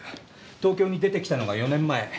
東京に出てきたのが４年前。